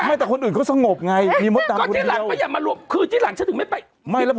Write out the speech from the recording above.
ไม่แต่คนอื่นเขาสงบไงมีมสตางค์กว่าเท่าไรคือที่หลังฉันถึงไม่ไป